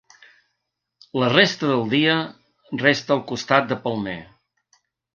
La resta del dia resta al costat de Palmer.